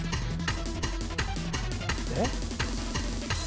えっ？